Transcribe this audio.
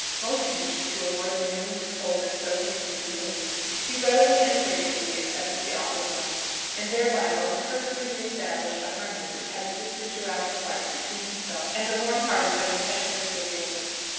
Most anxious to avoid renewing the coldness so recently removed, he readily and graciously accepted the offered loan, and thereby most perfectly re established the harmony which had existed throughout his life between himself and the warm hearted but impetuous Sir Gilbert.